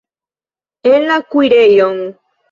En la kuirejon!